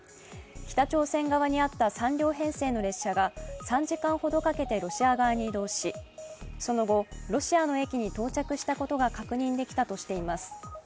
北朝鮮側にあった３両編成の列車が３時間ほどかけて移動し、その後、ロシアの駅に到着したことが確認できたとしています。